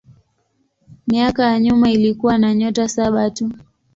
Miaka ya nyuma ilikuwa na nyota saba tu.